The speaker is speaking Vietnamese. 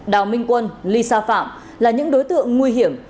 đào minh quân lisa phạm là những đối tượng nguy hiểm